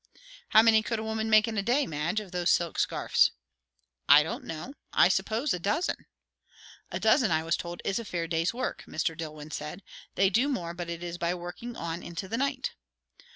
"How many could a woman make in a day, Madge, of those silk scarfs?" "I don't know I suppose, a dozen." "A dozen, I was told, is a fair day's work," Mr. Dillwyn said. "They do more, but it is by working on into the night."